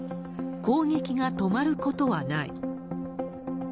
攻撃が止まることはない。